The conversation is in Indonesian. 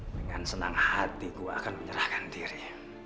dengan senang hati gue akan menyerahkan diri